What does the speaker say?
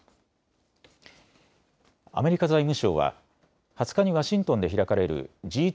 アメリカ財務省は２０日にワシントンで開かれるＧ２０・